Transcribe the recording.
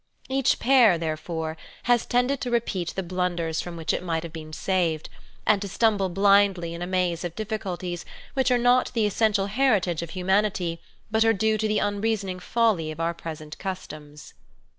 | Each pair, therefore, has tended to repeat the ;.' blunders from which it might have been saved, and to stumble blindly in a maze of difficulties which are [ not the essential heritage of humanity, but are due I to the unreasoning folly of our present customs.